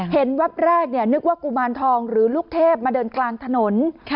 แวบแรกนึกว่ากุมารทองหรือลูกเทพมาเดินกลางถนน